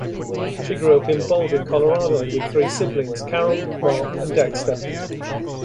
She grew up in Boulder, Colorado, with three siblings: Carol, Mark and Dexter.